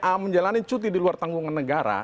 a menjalani cuti di luar tanggungan negara